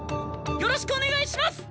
よろしくお願いします！